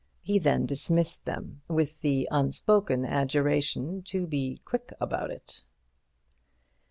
He then dismissed them, with the unspoken adjuration to be quick about it.